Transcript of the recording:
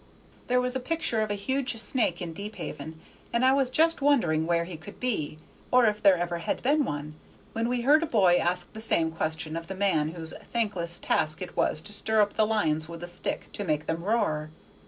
There was a picture of a huge snake in Deephaven, and I was just wondering where he could be, or if there ever had been one, when we heard a boy ask the same question of the man whose thankless task it was to stir up the lions with a stick to make them roar.